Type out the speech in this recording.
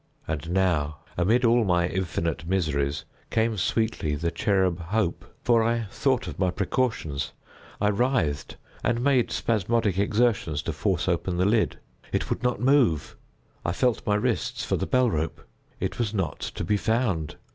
And now, amid all my infinite miseries, came sweetly the cherub Hope—for I thought of my precautions. I writhed, and made spasmodic exertions to force open the lid: it would not move. I felt my wrists for the bell rope: it was not to be found.